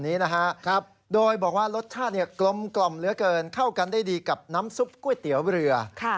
มีคนแห่มาเป็นจำนวนมากนะครับ